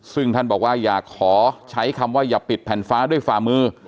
ซึ่งท่านบอกว่าอยากขอใช้คำว่าอย่าปิดแผ่นฟ้าด้วยฝ่ามือ